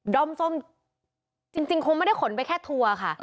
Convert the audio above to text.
อมส้มจริงคงไม่ได้ขนไปแค่ทัวร์ค่ะ